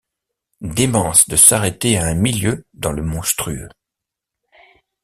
Démence de s’arrêter à un milieu dans le monstrueux!